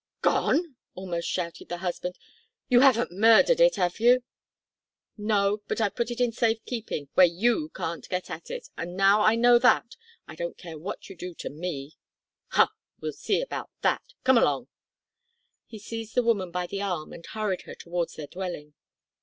"Gone!" almost shouted the husband. "You haven't murdered it, have you?" "No, but I've put it in safe keeping, where you can't get at it, and, now I know that, I don't care what you do to me." "Ha! we'll see about that. Come along." He seized the woman by the arm and hurried her towards their dwelling.